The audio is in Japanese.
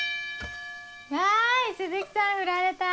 わい鈴木さんフラれた。